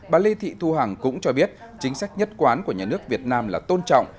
bà lê thị thu hằng cũng cho biết chính sách nhất quán của nhà nước việt nam là tôn trọng